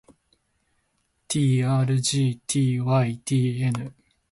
ｔｒｇｔｙｔｎ